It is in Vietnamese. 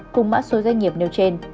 cùng mã số doanh nghiệp nêu trên